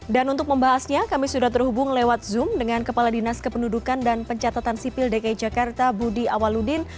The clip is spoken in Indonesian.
untuk membahasnya kami sudah terhubung lewat zoom dengan kepala dinas kependudukan dan pencatatan sipil dki jakarta budi awaludin